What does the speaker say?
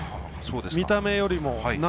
見た目よりも。